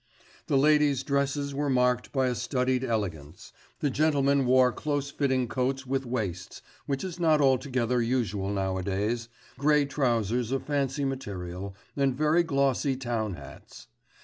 The ladies' dresses were marked by a studied elegance; the gentlemen wore close fitting coats with waists which is not altogether usual nowadays grey trousers of fancy material, and very glossy town hats.